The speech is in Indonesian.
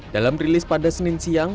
dalam rilis pada senin siang